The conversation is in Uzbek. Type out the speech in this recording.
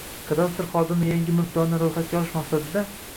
- Kadastr xodimi yangi mulkdorni ro‘yxatga olish maqsadida